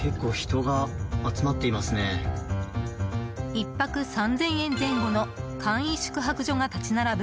１泊３０００円前後の簡易宿泊所が立ち並ぶ